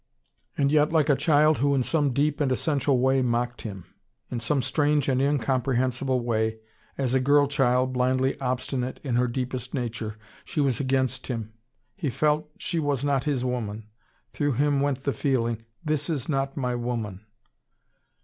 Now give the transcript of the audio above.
And yet like a child who in some deep and essential way mocked him. In some strange and incomprehensible way, as a girl child blindly obstinate in her deepest nature, she was against him. He felt she was not his woman. Through him went the feeling, "This is not my woman."